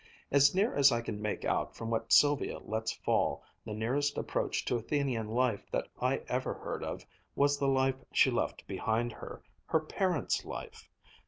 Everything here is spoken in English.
As near as I can make out from what Sylvia lets fall, the nearest approach to Athenian life that I ever heard of, was the life she left behind her, her parents' life.